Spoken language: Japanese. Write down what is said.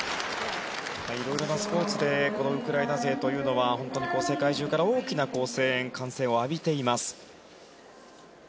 色々なスポーツでウクライナ勢というのは本当に世界中から大きな声援歓声を浴びています。